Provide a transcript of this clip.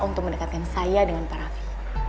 untuk mendekatkan saya dengan pak rafi